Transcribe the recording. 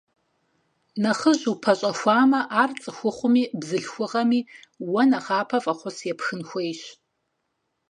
Нэхъыжь упэщӏэхуамэ, ар цӏыхухъуми бзылъхугъэми уэ нэхъапэ фӏэхъус епхын хуейщ.